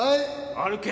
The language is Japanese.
歩け！